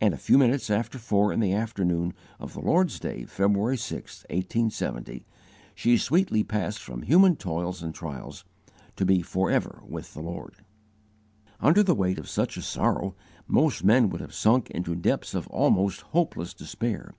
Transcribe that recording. And a few minutes after four in the afternoon of the Lord's day, February 6, 1870, she sweetly passed from human toils and trials, to be forever with the Lord. Under the weight of such a sorrow, most men would have sunk into depths of almost hopeless despair.